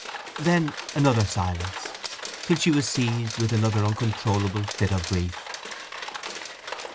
Then another silence, till she was seized with another uncontrollable fit of grief.